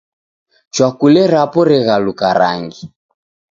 Chwakule rapo reghaluka rangi.